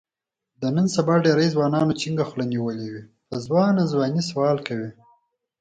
د نن سبا ډېری ځوانانو جینګه خوله نیولې وي، په ځوانه ځوانۍ سوال کوي.